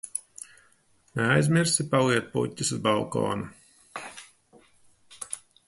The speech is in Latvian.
Neaizmirsi paliet puķes uz balkona!